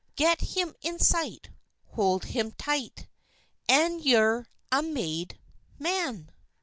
Get him in sight, hold him tight, And you're a made Man!